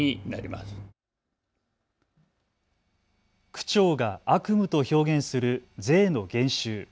区長が悪夢と表現する税の減収。